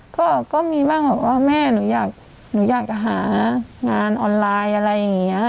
ก็ก็มีบ้างแบบว่าแม่หนูอยากหนูอยากจะหางานออนไลน์อะไรอย่างเงี้ย